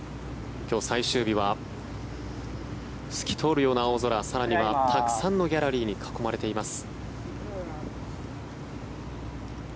今日、最終日は透き通るような青空更には、たくさんのギャラリーに囲まれています。